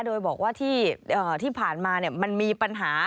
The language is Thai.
โดยบอกว่าที่ผ่านมามันมีปัญหา